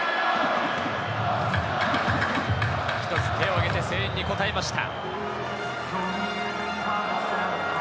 一つ手をあげて声援に応えました。